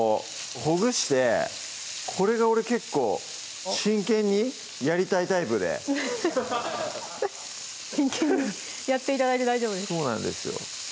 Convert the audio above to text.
ほぐしてこれが俺結構真剣にやりたいタイプで真剣にやって頂いて大丈夫ですそうなんですよ